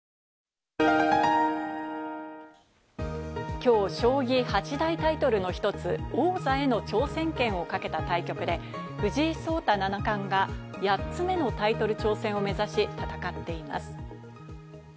きょう将棋八大タイトルの１つ、王座への挑戦権をかけた対局で、藤井聡太七冠が８つ目のタイトル挑戦を目指し、戦っています。